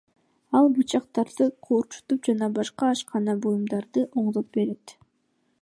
Ал бычактарды куурчутуп жана башка ашкана буюмдарын оңдоп берет.